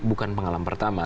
bukan pengalaman pertama